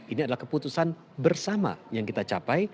ini adalah keputusan bersama yang kita capai